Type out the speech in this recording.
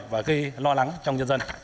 và gây lo lắng trong nhân dân